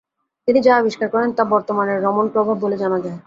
তিনি যা আবিষ্কার করেন তা বর্তমানে রমন প্রভাব বলে জানা যায়।